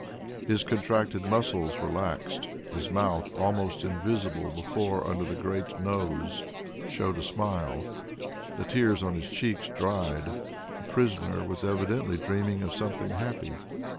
His contracted muscles relaxed, his mouth, almost invisible before under the great nose, showed a smile. The tears on his cheeks dried; the prisoner was evidently dreaming of something happy.